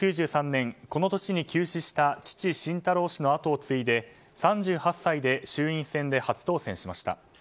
１９９３年、この年に急死した父、晋太郎氏の跡を継いで３８歳で衆院選で初当選しました。